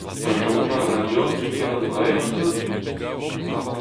ha soñjal a ra deoc'h n'ouzon ket an dra-se marteze ?